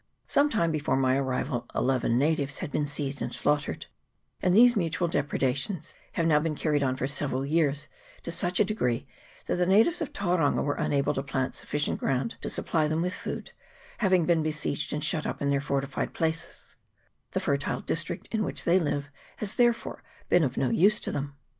Some time before my arrival eleven natives had heen seized and slaughtered ; and these mutual depredations have now been carried on for several years to such a degree that the natives of Tauranga were unable to plant sufficient ground to supply them with food, having been besieged and shut up in their fortified places : the fertile district in which they live has therefore been of no use to them.